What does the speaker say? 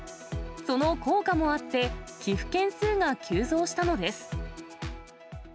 その効果もあって、寄付件数が急増したのです。